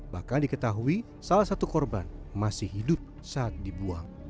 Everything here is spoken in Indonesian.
bahkan diketahui salah satu korban masih hidup saat dibuang